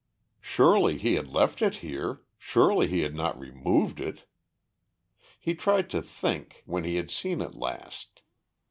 Surely he had left it here, surely he had not removed it. He tried to think when he had seen it last.